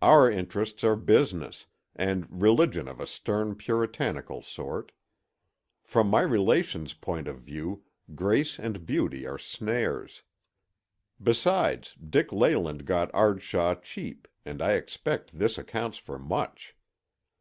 Our interests are business, and religion of a stern Puritanical sort. From my relations' point of view, grace and beauty are snares. Besides, Dick Leyland got Ardshaw cheap and I expect this accounts for much.